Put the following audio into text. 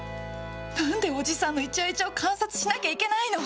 なんでおじさんのイチャイチャを観察しなきゃいけないの。